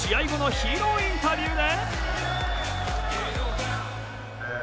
ヒーローインタビューで？